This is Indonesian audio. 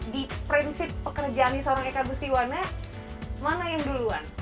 di prinsip pekerjaan seorang eka gustiwana mana yang duluan